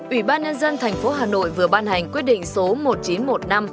ủy ban nhân dân tp hà nội vừa ban hành quyết định số một nghìn chín trăm một mươi năm